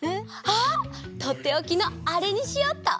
あっとっておきのあれにしよっと！